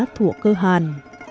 thủa cơ hàn